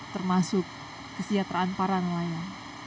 termasuk kesiapaan para nelayan